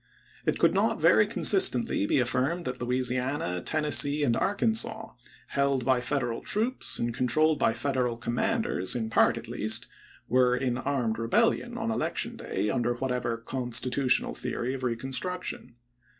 It could not very con sistently be affirmed that Louisiana, Tennessee, and Arkansas, held by Federal troops and controlled by Federal commanders in part at least, were " in armed rebellion " on election day, under whatever constitutional theory of reconstruction.